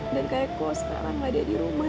dan kak eko sekarang gak ada di rumah